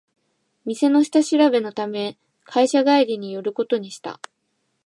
店の下調べのため会社帰りに寄ることにした